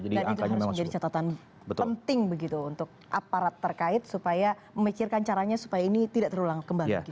dan itu harus menjadi catatan penting begitu untuk aparat terkait supaya memikirkan caranya supaya ini tidak terulang kembali